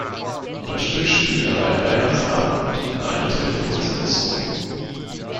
Das Stück spielt an einem Weihnachtsabend in einer Telefonseelsorge.